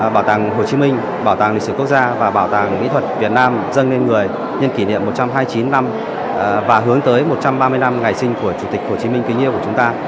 bảo tàng hồ chí minh bảo tàng lịch sử quốc gia và bảo tàng mỹ thuật việt nam dâng lên người nhân kỷ niệm một trăm hai mươi chín năm và hướng tới một trăm ba mươi năm ngày sinh của chủ tịch hồ chí minh kính yêu của chúng ta